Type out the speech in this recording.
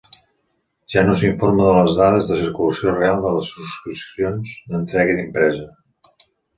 Ja no s'informa de les dades de circulació real de les subscripcions d'entrega impresa.